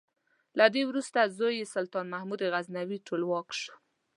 له ده وروسته زوی یې سلطان محمود غزنوي ټولواک شو.